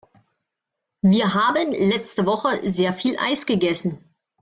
Wir haben letzte Woche sehr viel Eis gegessen.